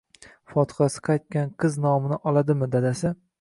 Fotihasi qaytgan qiz nomini oladimi, dadasi?